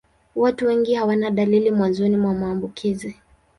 Watu wengi hawana dalili mwanzoni mwa maambukizi.